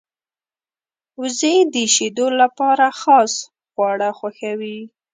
وزې د شیدو لپاره خاص خواړه خوښوي